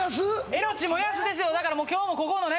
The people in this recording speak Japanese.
「命燃やす」ですよだからもう今日もここもね